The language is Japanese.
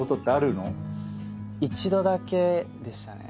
一度だけでしたね。